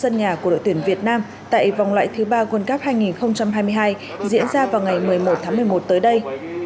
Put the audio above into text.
sân nhà của đội tuyển việt nam tại vòng loại thứ ba world cup hai nghìn hai mươi hai diễn ra vào ngày một mươi một tháng một mươi một tới đây